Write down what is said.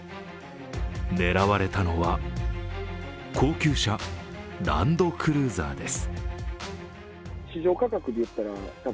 狙われたのは高級車ランドクルーザーです。